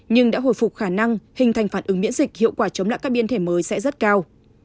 nhưng đã hồi phục khả năng hình thành phản ứng miễn dịch hiệu quả chống lại các biến thể mới sẽ rất cao